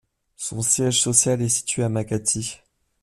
Son siège social est situé à Makati.